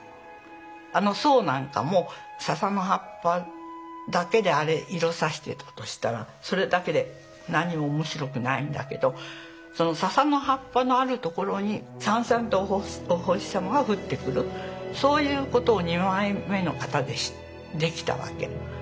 あの「」なんかもささの葉っぱだけであれ色挿してたとしたらそれだけで何も面白くないんだけどそのささの葉っぱのあるところにさんさんとお星様が降ってくるそういうことを２枚目の型でできたわけ。